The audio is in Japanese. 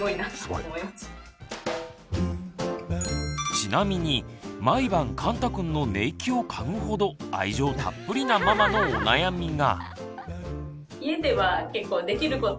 ちなみに毎晩かんたくんの寝息を嗅ぐほど愛情たっぷりなママのお悩みが。